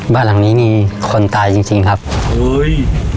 บ้านหลังนี้มีคนตายจริงจริงครับอุ้ย